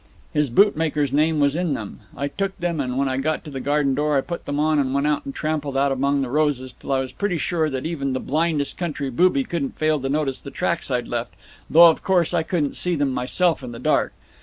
His bootmakers' name was in them. I took them, and when I got to the garden door I put them on, and went out and trampled about among the roses till I was pretty sure that even the blindest country bobby couldn't fail to notice the tracks I'd left, though of course I couldn't see them myself in the dark.